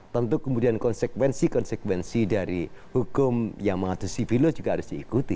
tentu kemudian konsekuensi konsekuensi dari hukum yang mengatur sipilot juga harus diikuti